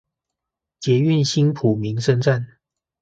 捷運新埔民生站